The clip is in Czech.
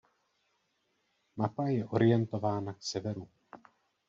Mapa je orientována k severu.